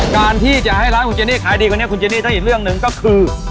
การที่จะให้ร้านคุณเจนี่ขายดีกว่านี้คุณเจนี่ถ้าอีกเรื่องหนึ่งก็คือ